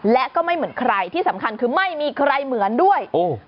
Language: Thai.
และก็ไม่เหมือนใครที่สำคัญคือไม่มีใครเหมือนด้วย